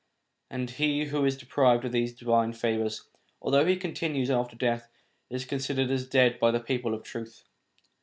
He who is deprived of these divine favours, although he continues after death, is considered as dead by the people of truth.